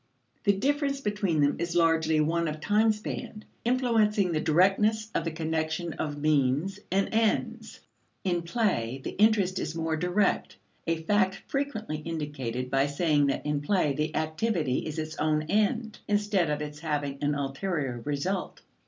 The difference between them is largely one of time span, influencing the directness of the connection of means and ends. In play, the interest is more direct a fact frequently indicated by saying that in play the activity is its own end, instead of its having an ulterior result.